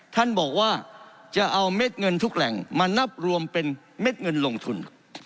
ท่านบอกว่าจะเอาเม็ดเงินทุกแหล่งมานับรวมเป็นเม็ดเงินลงทุน